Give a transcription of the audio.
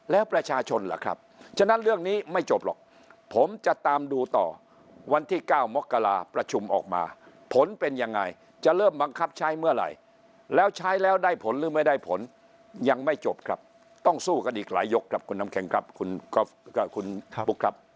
แล้วประชาชนล่ะครับฉะนั้นเรื่องนี้ไม่จบหรอกผมจะตามดูต่อวันที่๙มกราประชุมออกมาผลเป็นยังไงจะเริ่มบังคับใช้เมื่อไหร่แล้วใช้แล้วได้ผลหรือไม่ได้ผลยังไม่จบครับต้องสู้กันอีกหลายยกครับคุณน้ำแข็งครับคุณก๊อฟกับคุณปุ๊กครับ